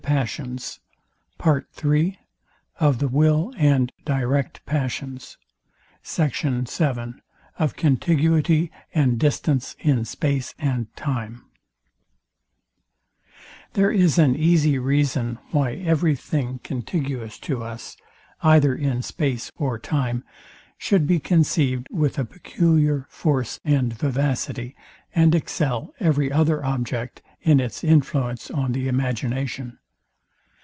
It is too weak to take hold of the mind, or be attended with emotion. SECT. VII OF CONTIGUITY AND DISTANCE IN SPACE AND TIME There is an easy reason, why every thing contiguous to us, either in space or time, should be conceived with a peculiar force and vivacity, and excel every other object, in its influence on the imagination.